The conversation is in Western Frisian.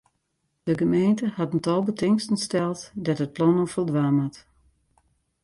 De gemeente hat in tal betingsten steld dêr't it plan oan foldwaan moat.